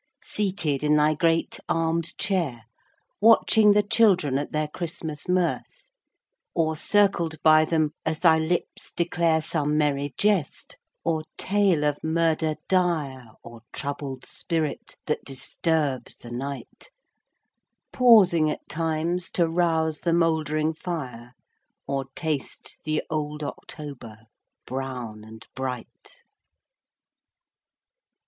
seated in thy great armed chair, Watching the children at their Christmas mirth; Or circled by them as thy lips declare Some merry jest, or tale of murder dire, Or troubled spirit that disturbs the night, Pausing at times to rouse the mouldering fire, Or taste the old October brown and bright.